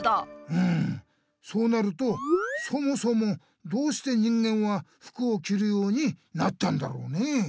うんそうなるとそもそもどうして人間は服をきるようになったんだろうねえ。